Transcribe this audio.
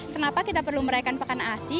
kenapa kita perlu meraihkan pekan asi